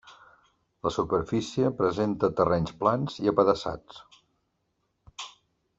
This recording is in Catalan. La superfície presenta terrenys plans i apedaçats.